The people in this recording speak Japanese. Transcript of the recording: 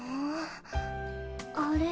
あれ？